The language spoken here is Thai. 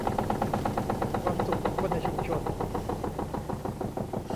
ความสุขของคนในชุมชน